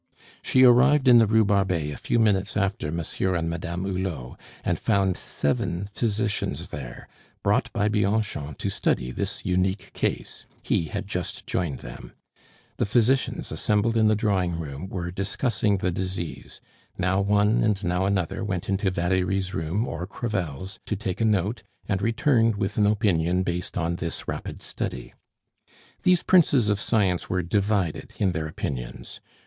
She arrived in the Rue Barbet a few minutes after Monsieur and Madame Hulot, and found seven physicians there, brought by Bianchon to study this unique case; he had just joined them. The physicians, assembled in the drawing room, were discussing the disease; now one and now another went into Valerie's room or Crevel's to take a note, and returned with an opinion based on this rapid study. These princes of science were divided in their opinions.